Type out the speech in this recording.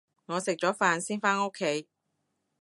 我食咗飯先返屋企